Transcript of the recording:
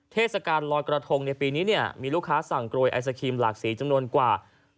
เทศกาลลอยกระทงในปีนี้เนี่ยมีลูกค้าสั่งกลวยไอศครีมหลากสีจำนวนกว่า